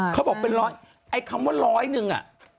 เขาบอกเป็นร้อยไอ้คำว่าร้อยหนึ่งอ่ะ